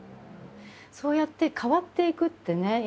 そうやって変わっていくってね